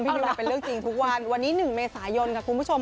ดูแลเป็นเรื่องจริงทุกวันวันนี้๑เมษายนค่ะคุณผู้ชม